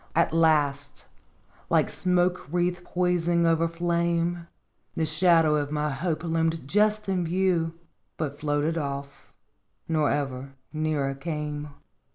" At last, like smoke wreath poising over flame, The shadow of my hope loomed just in view, But floated off, nor ever nearer came.